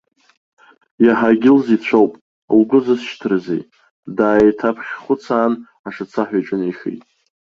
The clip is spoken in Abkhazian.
Иаҳагьы илзеицәоуп, лгәы зысшьҭрызеи, деиҭааиԥхьхәыцаан, ашацаҳәа иҿынеихеит.